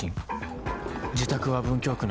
自宅は文京区の一軒家。